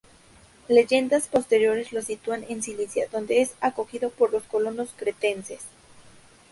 Leyendas posteriores lo sitúan en Sicilia, donde es acogido por los colonos cretenses.